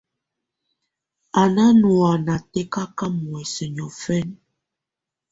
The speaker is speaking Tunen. Á ná nùáná tɛkaká muɛ̀sɛ niɔ̀fɛna.